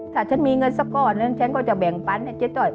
ถ้าฉันมีเงินสักก็อดฉันก็จะแบ่งปัญญาเจ้าติ่ม